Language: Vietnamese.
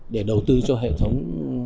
để đầu tư cho hệ thống